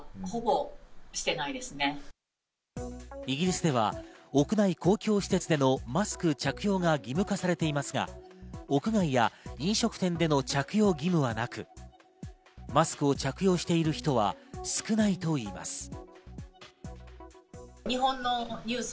イギリスでは屋内公共施設でのマスク着用が義務化されていますが、屋外や飲食店での着用義務はなく、マスクを着用している人は少ないといいます。